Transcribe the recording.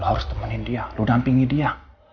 lo harus temenin dia lo dampingi dia